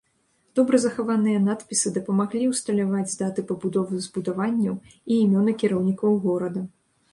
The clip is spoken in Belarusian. Добра захаваныя надпісы дапамаглі ўсталяваць даты пабудовы збудаванняў і імёны кіраўнікоў горада.